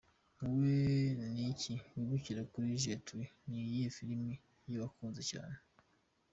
Wowe ni iki wibukira kuri Jet Li? Ni iyihe filime ye wakunze cyane?.